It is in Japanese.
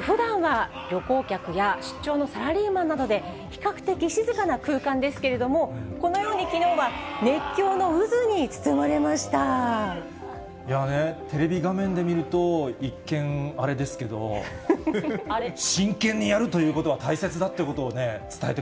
ふだんは旅行客や出張のサラリーマンなどで、比較的静かな空間ですけれども、このように、テレビ画面で見ると、一見、あれですけど、真剣にやるということは大切だっていうことを伝え